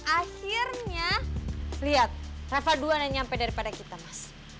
akhirnya liat reva duluan yang nyampe daripada kita mas